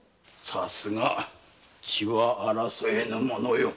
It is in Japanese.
さすが血は争えぬものよ。